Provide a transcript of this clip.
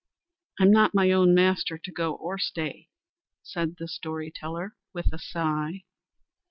"I'm not my own master to go or stay," said the story teller, with a sigh.